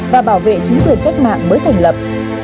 và bảo vệ chính quyền cách mạng mới thành lập